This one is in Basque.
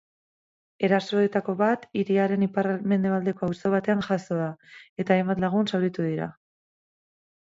Erasoetako bat hiriaren ipar-mendebaldeko auzo batean jazo da eta hainbat lagun zauritu dira.